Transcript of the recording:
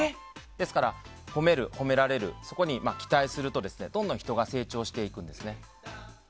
ですから、褒める、褒められるそこに期待するとどんどん人が成長していくんですね。